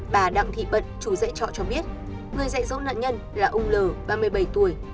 bà đặng thị bận chủ dạy trọ cho biết người dạy dỗ nạn nhân là ông l ba mươi bảy tuổi